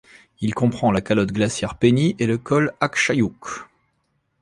Il comprend la calotte glaciaire Penny et le col Akshayuk.